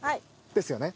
ですよね。